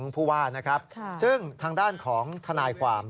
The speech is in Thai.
คุณผู้ว่าซึ่งทางด้านของทนายความ